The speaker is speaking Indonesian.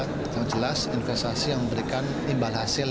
yang jelas investasi yang memberikan imbal hasil